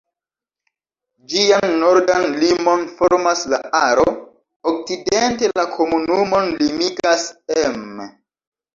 Ĝian nordan limon formas la Aro, okcidente la komunumon limigas Emme.